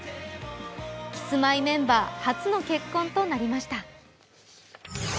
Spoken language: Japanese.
キスマイメンバー初の結婚となりました。